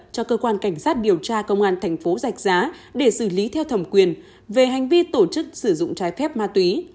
cho cơ quan cảnh sát điều tra công an thành phố giạch giá để xử lý theo thẩm quyền về hành vi tổ chức sử dụng trái phép ma túy